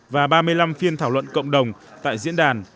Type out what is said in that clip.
và ba mươi năm phiên thảo luận cộng đồng tại diễn đàn